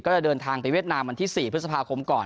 จะเดินทางไปเวียดนามวันที่๔พฤษภาคมก่อน